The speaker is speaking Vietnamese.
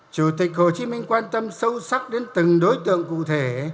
chủ tịch hồ chí minh quan tâm sâu sắc đến từng đối tượng cụ thể